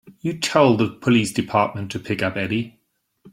You tell the police department to pick up Eddie.